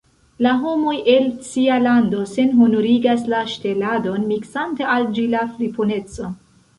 La homoj el cia lando senhonorigas la ŝteladon, miksante al ĝi la friponecon.